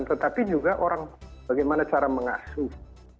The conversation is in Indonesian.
tetapi juga orang bagaimana cara mengasuh